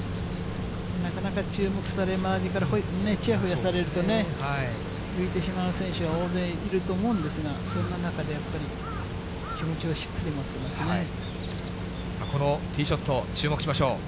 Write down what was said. なかなか注目され、周りからちやほやされるとね、浮いてしまう選手は大勢いると思うんですが、そんな中でやっぱり、気持ちをしこのティーショット、注目しましょう。